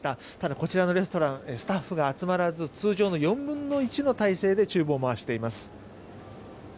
こちらのレストランはスタッフが集まらず通常の４分の１の体制で厨房を回しています。